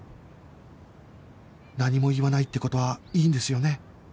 何も言わないって事はいいんですよね？